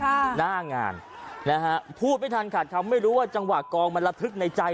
หน้างานนะฮะพูดไม่ทันขาดคำไม่รู้ว่าจังหวะกองมันระทึกในใจ